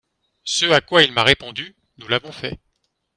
Ce à quoi il m’a répondu, nous l’avons fait.